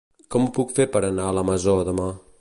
Com ho puc fer per anar a la Masó demà?